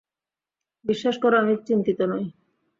বিশ্বাস করো আমি চিন্তিত নই।